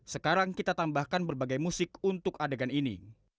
sekarang kita tambahkan berbagai musik untuk adegan ini